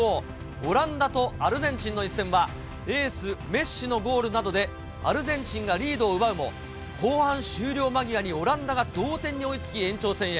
オランダとアルゼンチンの一戦は、エース、メッシのゴールなどでアルゼンチンがリードを奪うも、後半終了間際にオランダが同点に追いつき、延長戦へ。